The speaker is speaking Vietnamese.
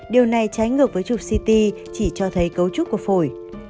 điều này trái ngược với chụp ct chỉ cho thấy cấu trúc của phổi